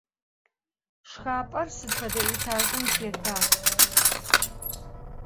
Şşxap'er sıd fede etajjım têta?